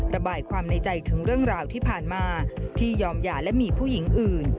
ระบายความในใจถึงเรื่องราวที่ผ่านมาที่ยอมหย่าและมีผู้หญิงอื่น